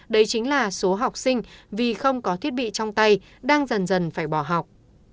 đây chính là số học sinh vì không có thiết bị trong tay đang dần dần phải bỏ học